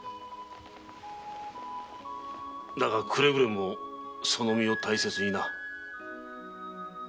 だがくれぐれもその身を大切にな。